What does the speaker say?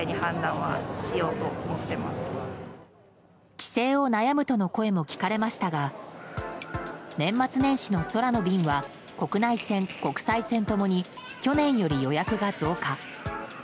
帰省を悩むとの声も聞かれましたが年末年始の空の便は国内線、国際線共に去年より予約が増加。